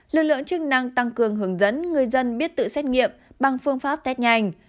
lực lượng chức năng tăng cường hướng dẫn người dân biết tự xét nghiệm bằng phương pháp test nhanh